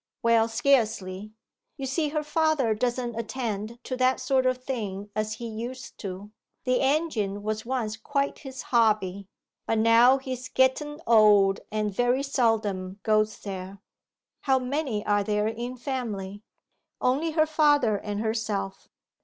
'Well, scarcely; you see her father doesn't attend to that sort of thing as he used to. The engine was once quite his hobby. But now he's getten old and very seldom goes there.' 'How many are there in family?' 'Only her father and herself.